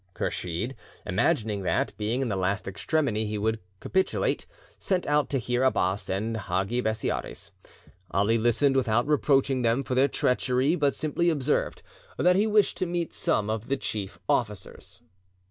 Kursheed, imagining that, being in the last extremity, he would capitulate, sent out Tahir Abbas and Hagi Bessiaris. Ali listened without reproaching them for their treachery, but simply observed that he wished to meet some of the chief officers.